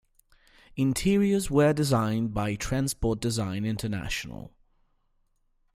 Interiors were designed by Transport Design International.